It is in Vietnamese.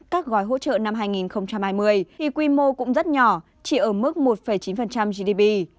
các gói hỗ trợ năm hai nghìn hai mươi thì quy mô cũng rất nhỏ chỉ ở mức một chín gdp